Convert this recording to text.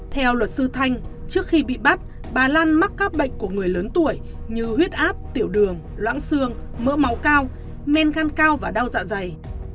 theo luật sư thanh trước khi bị bắt bà lan mắc các bệnh của người lớn tuổi như huyết áp tiểu đường loãng xương mỡ máu cao men gan cao và đau dạ dày